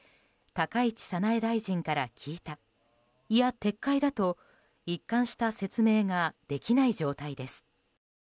高市早苗大臣から聞いたいや撤回だと、一貫した説明ができない状態です。